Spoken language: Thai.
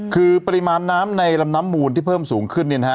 คือปริมาณน้ำในลำน้ำมูลที่เพิ่มสูงขึ้นเนี่ยนะฮะ